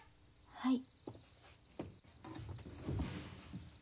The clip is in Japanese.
はい。